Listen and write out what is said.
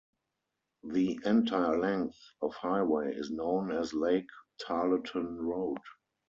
The entire length of highway is known as Lake Tarleton Road.